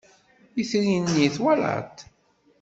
Itri-nni twalaḍ-t?